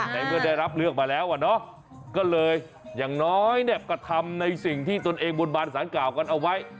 เมื่อได้รับเลือกมาแล้วอ่ะเนาะก็เลยอย่างน้อยเนี่ยก็ทำในสิ่งที่ตนเองบนบานสารกล่าวกันเอาไว้